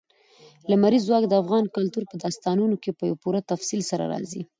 لمریز ځواک د افغان کلتور په داستانونو کې په پوره تفصیل سره راځي.